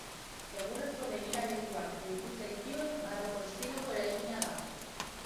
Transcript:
Egurrezko begiralekuak gehitu zaizkion barroko estiloko eraikina da.